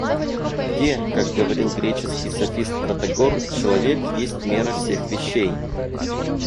Где, как говорил греческий софист Протагор, человек есть мера всех вещей?